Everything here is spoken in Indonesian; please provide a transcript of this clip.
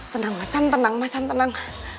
tenang macan tenang macan tenang